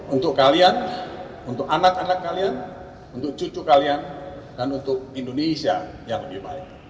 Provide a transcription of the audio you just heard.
untuk kalian untuk anak anak kalian untuk cucu kalian dan untuk indonesia yang lebih baik